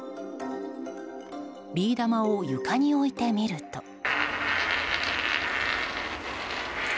ビー玉を床に置いてみると。